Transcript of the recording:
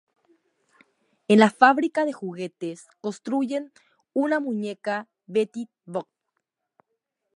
En la fábrica de juguetes construyen una muñeca: Betty Boop.